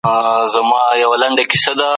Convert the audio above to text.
یوه نوې څېړنه اندېښنه راپورته کړه.